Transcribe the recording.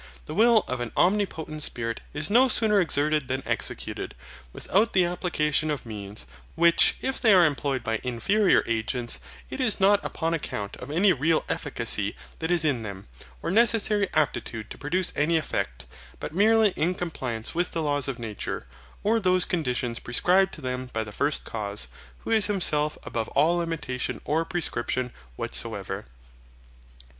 The will of an Omnipotent Spirit is no sooner exerted than executed, without the application of means; which, if they are employed by inferior agents, it is not upon account of any real efficacy that is in them, or necessary aptitude to produce any effect, but merely in compliance with the laws of nature, or those conditions prescribed to them by the First Cause, who is Himself above all limitation or prescription whatsoever.